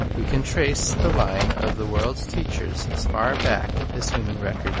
We can trace the line of the world's teachers as far back as human records iCol.